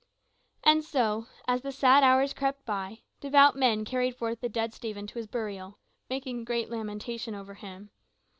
And so as the sad hours crept by, devout men carried forth the dead Stephen to his burial, making great lamentation over him.